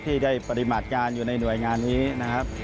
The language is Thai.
ที่ได้ปฏิบัติการอยู่ในหน่วยงานนี้นะครับ